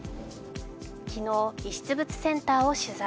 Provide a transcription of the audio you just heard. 昨日、遺失物センターを取材。